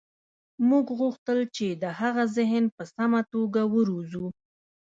موږ غوښتل چې د هغه ذهن په سمه توګه وروزو